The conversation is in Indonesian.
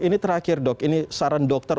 ini terakhir dok ini saran dokter